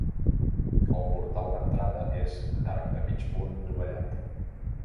El portal d'entrada és d'arc de mig punt dovellat.